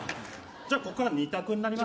じゃあ、ここから２択になります。